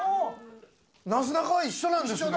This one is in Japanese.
なすなかは一緒なんですね。